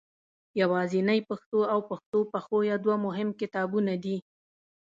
یوازنۍ پښتو او پښتو پښویه دوه مهم کتابونه دي.